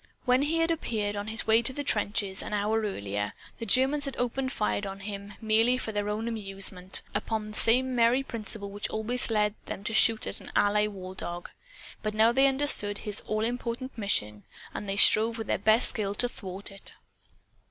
When he had appeared, on his way to the trenches, an hour earlier, the Germans had opened fire on him, merely for their own amusement upon the same merry principle which always led them to shoot at an Ally war dog. But now they understood his all important mission; and they strove with their best skill to thwart it.